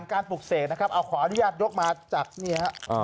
การปลูกเสกนะครับเอาขออนุญาตยกมาจากนี่ฮะ